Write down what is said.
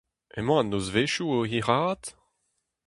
Emañ an nozvezhioù o hiraat ?